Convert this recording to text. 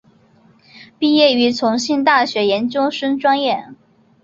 毕业于重庆大学研究生专业。